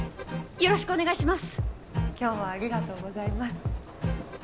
よろしくお願いします。